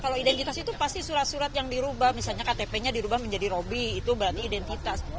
kalau identitas itu pasti surat surat yang dirubah misalnya ktp nya dirubah menjadi robby itu berarti identitas